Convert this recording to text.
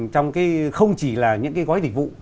trong cái không chỉ là những cái gói dịch vụ